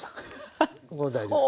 もう大丈夫です。